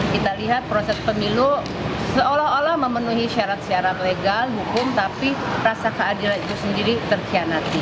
kita lihat proses pemilu seolah olah memenuhi syarat syarat legal hukum tapi rasa keadilan itu sendiri terkianati